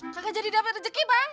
kaka jadi dapet rezeki bang